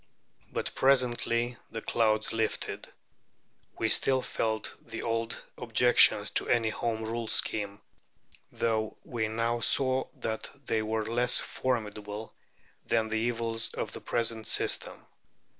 But presently the clouds lifted. We still felt the old objections to any Home Rule scheme, though we now saw that they were less formidable than the evils of the present system.